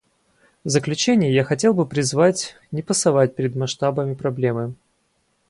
В заключение я хотел бы призвать не пасовать перед масштабами проблемы.